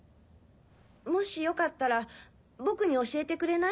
もしよかったら僕に教えてくれない？